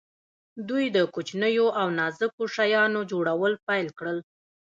دوی د کوچنیو او نازکو شیانو جوړول پیل کړل.